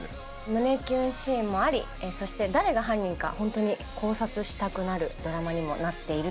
胸キュンシーンもありそして誰が犯人か本当に考察したくなるドラマにもなっていると思います。